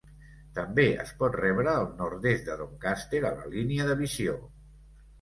També es pot rebre al nord-est de Doncaster a la línia de visió.